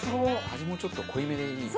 味もちょっと濃いめでいい。